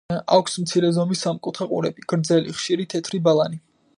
აქვს მცირე ზომის სამკუთხა ყურები, გრძელი, ხშირი, თეთრი ბალანი.